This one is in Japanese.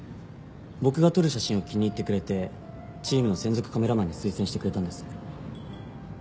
僕が撮る写真を気に入ってくれてチームの専属カメラマンに推薦してくれたんです。